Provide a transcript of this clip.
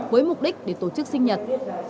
với mục đích để tổ chức sinh nhật